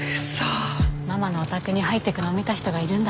ママのお宅に入ってくのを見た人がいるんだって。